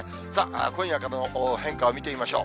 今夜からの変化を見てみましょう。